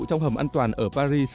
trong hầm an toàn ở paris